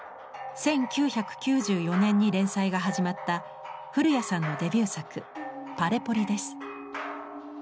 １９９４年に連載が始まった古屋さんのデビュー作「Ｐａｌｅｐｏｌｉ」です。